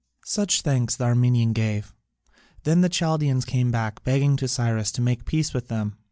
Such thanks the Armenian gave. Then the Chaldaeans came back, begging Cyrus to make peace with them.